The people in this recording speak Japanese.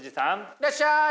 いらっしゃい！